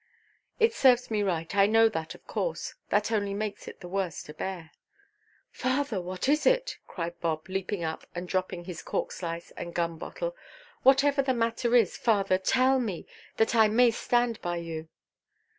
"It serves me right. I know that, of course. That only makes it the worse to bear." "Father, what is it?" cried Bob, leaping up, and dropping his cork–slice and gum–bottle; "whatever the matter is, father, tell me, that I may stand by you."